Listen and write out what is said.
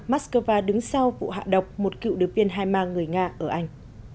moscow đứng sau vụ hạ độc một cựu đứa viên hai ma người nga ở anh